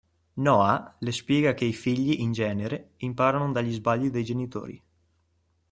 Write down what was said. Noah le spiega che i figli in genere imparano dagli sbagli dei genitori.